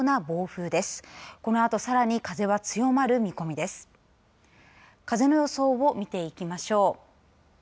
風の予想を見ていきましょう。